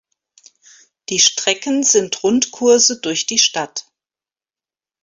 Die Strecken sind Rundkurse durch die Stadt.